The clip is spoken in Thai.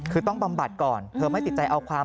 คือต้องบำบัดก่อนเธอไม่ติดใจเอาความ